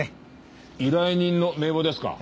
依頼人の名簿ですか？